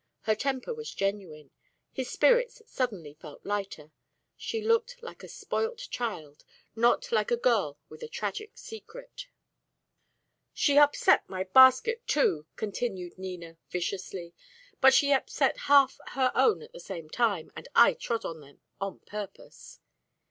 Her temper was genuine. His spirits suddenly felt lighter; she looked like a spoilt child, not like a girl with a tragic secret. "She upset my basket, too," continued Nina, viciously. "But she upset half her own at the same time, and I trod on them, on purpose."